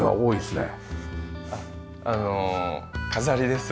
あの飾りです。